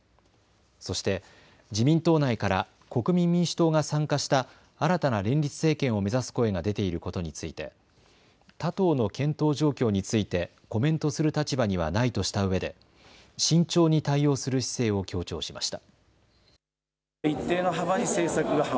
そして自民党内から国民民主党が参加した新たな連立政権を目指す声が出ていることについて他党の検討状況についてコメントする立場にはないとしたうえで慎重に対応する姿勢を強調しました。